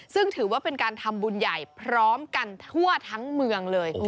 ซึ่งถือว่าเป็นการทำบุญใหญ่พร้อมกันทั่วทั้งเมืองเลย